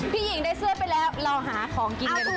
พี่หญิงได้เสื้อไปแล้วเราหาของกินเลยนะคะ